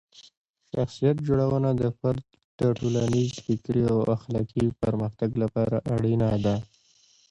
شخصیت جوړونه د فرد د ټولنیز، فکري او اخلاقي پرمختګ لپاره اړینه ده.